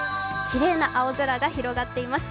きれいな青空が広がっています。